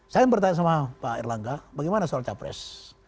saya yang bertanya sama pak erlangga bagaimana soal capres